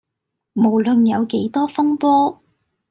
無論有幾多風波